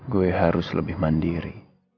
gue harus lebih mandiri